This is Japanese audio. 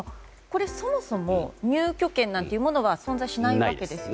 そもそも、入居権なんて存在しないわけですよね。